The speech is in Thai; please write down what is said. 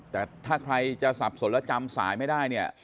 แต่ถ้าใครจะซับสนและจำสายไม่ได้